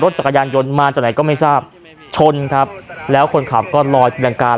จักรยานยนต์มาจากไหนก็ไม่ทราบชนครับแล้วคนขับก็ลอยแรงการ